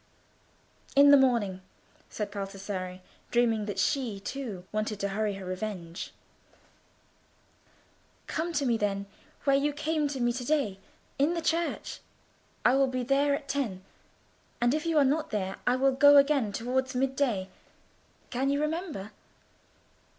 "In the morning," said Baldassarre, dreaming that she, too, wanted to hurry to her vengeance. "Come to me, then, where you came to me to day, in the church. I will be there at ten; and if you are not there, I will go again towards mid day. Can you remember?"